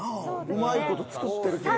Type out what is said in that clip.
うまいこと作ってるけどな。